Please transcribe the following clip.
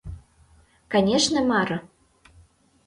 Конешне, Мара!